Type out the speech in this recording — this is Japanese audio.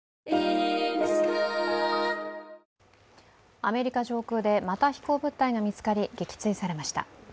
アメリカ上空でまた飛行物体が見つかり撃墜されました。